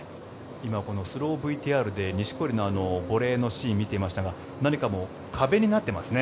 今、スローＶＴＲで錦織のボレーのシーンを見ていましたが何か壁になっていますね。